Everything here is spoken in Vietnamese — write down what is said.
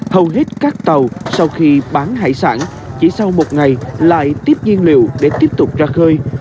hầu hết các tàu sau khi bán hải sản chỉ sau một ngày lại tiếp nhiên liệu để tiếp tục ra khơi